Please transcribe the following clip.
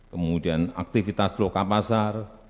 kemudian aktivitas loka pasar